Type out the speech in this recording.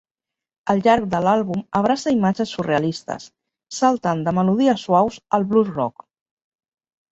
Al llarg de l'àlbum abraça imatges surrealistes, saltant de melodies suaus al blues rock.